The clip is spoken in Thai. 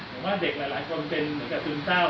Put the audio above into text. ผมว่าเด็กหลายคนยังเหมือนจุ้นเจ้า